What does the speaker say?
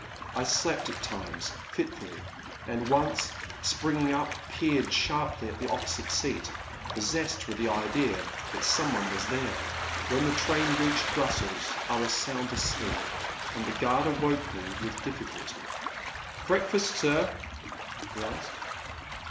I slept at times, fitfully, and once, springing up, peered sharply at the opposite seat, possessed with the idea that somebody was there. When the train reached Brussels, I was sound 380 The Man at the Next Table. asleep, and the guard awoke me with diffi culty. '' Breakfast, sir ?*' he asked.